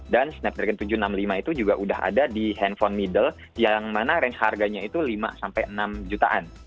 dan snapdragon tujuh ratus enam puluh lima itu juga udah ada di handphone middle yang mana range harganya itu lima sampai enam jutaan